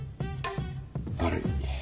悪い。